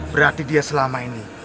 berarti dia selama ini